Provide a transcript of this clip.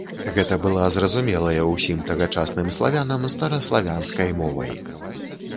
Гэта была зразумелая ўсім тагачасным славянам стараславянскай мовай.